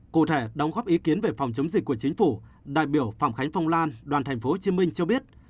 cụ thể đóng góp ý kiến về phòng chống dịch của chính phủ đại biểu phạm khánh phong lan đoàn thành phố hồ chí minh cho biết